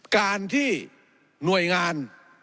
การที่หน่วยงาน